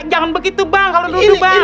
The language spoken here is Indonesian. jangan begitu bang kalau dulu bang